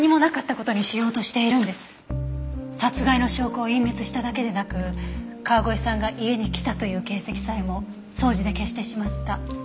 殺害の証拠を隠滅しただけでなく川越さんが家に来たという形跡さえも掃除で消してしまった。